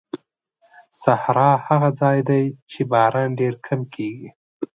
صحرا هغه ځای دی چې باران ډېر کم کېږي.